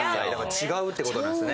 違うっていう事なんですね。